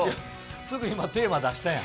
すぐ今、テーマ出したやん。